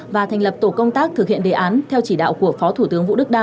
và thành lập tổ công tác thực hiện đề án theo chỉ đạo của phó thủ tướng vũ đức đam